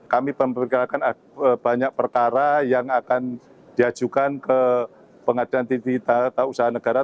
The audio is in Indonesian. kami memperkirakan ada banyak perkara yang akan diajukan ke pengadilan tipi tata usaha negara